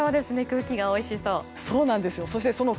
空気がおいしそう。